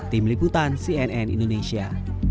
tim liputan cnn indonesia